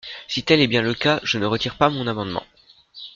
Si tel est bien le cas, je ne retire pas mon amendement.